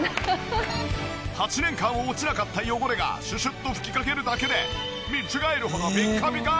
８年間落ちなかった汚れがシュシュッと吹きかけるだけで見違えるほどピッカピカ！